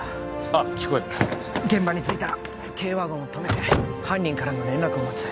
ああ聞こえる現場に着いたら軽ワゴンを止めて犯人からの連絡を待つ